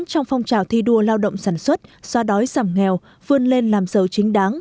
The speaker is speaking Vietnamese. trong phong trào thi đua lao động sản xuất xóa đói giảm nghèo vươn lên làm dầu chính đáng